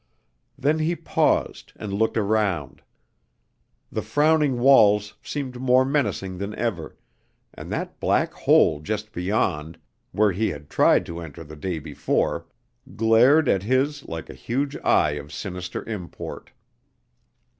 Then he paused and looked around. The frowning walls seemed more menacing than ever, and that black hole just beyond, which he had tried to enter the day before, glared at his like a huge eye of sinister import.